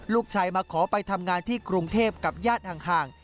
ลูกชายมาขอไปทำงานที่กรุงเทพกับญาติห่าง